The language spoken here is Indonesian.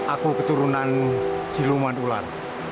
aku keturunan siluman ular